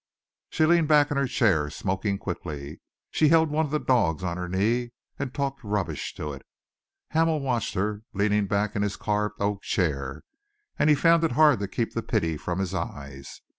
She leaned back in her chair, smoking quickly. She held one of the dogs on her knee and talked rubbish to it. Hamel watched her, leaning back in his carved oak chair, and he found it hard to keep the pity from his eyes.